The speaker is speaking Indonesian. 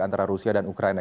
antara rusia dan ukraina